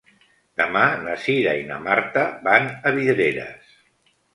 Demà na Cira i na Marta van a Vidreres.